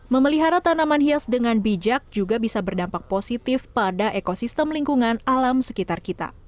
memelihara tanaman hias dengan bijak juga bisa berdampak positif pada ekosistem lingkungan alam sekitar kita